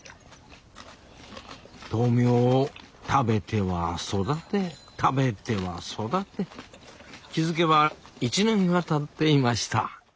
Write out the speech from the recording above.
豆苗を食べては育て食べては育て気付けば１年がたっていました